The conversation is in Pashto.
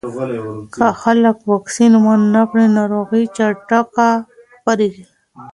که خلک واکسین ونه کړي، ناروغي چټکه خپرېږي.